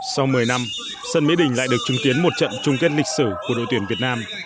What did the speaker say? sau một mươi năm sân mỹ đình lại được chứng kiến một trận chung kết lịch sử của đội tuyển việt nam